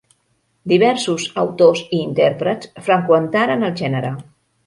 Diversos autors i intèrprets freqüentaren el gènere.